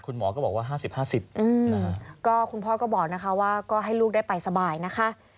คุณหมอก็บอกว่า๕๐๕๐ก็คุณพ่อก็บอกนะคะว่าก็ให้ลูกได้ไปสบายนะคะ